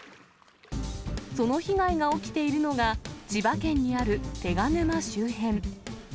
その被害が起きているのが、千葉県にある手賀沼周辺。